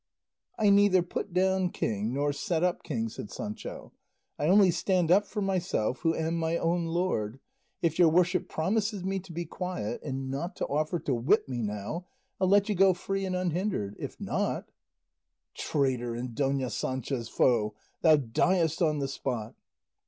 "I neither put down king, nor set up king," said Sancho; "I only stand up for myself who am my own lord; if your worship promises me to be quiet, and not to offer to whip me now, I'll let you go free and unhindered; if not Traitor and Dona Sancha's foe, Thou diest on the spot."